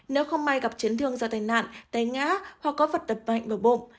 nếu không may gặp chiến thương do thai nạn thai ngã hoặc có vật tập mạnh vào bụng